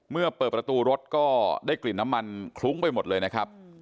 เมื่อเปิดประตูรถก็ได้กลิ่นน้ำมันคลุ้งไปหมดเลยนะครับ